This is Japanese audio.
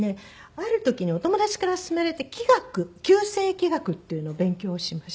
ある時にお友達から勧められて気学九星気学っていうのを勉強しまして。